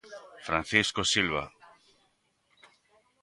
Francisco Silva.